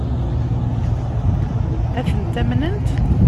Ad tent-amnent?